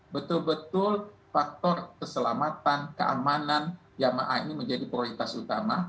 betul betul faktor keselamatan keamanan jamaah ini menjadi prioritas utama